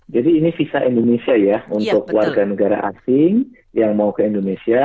jadi ini visa indonesia ya untuk warga negara asing yang mau ke indonesia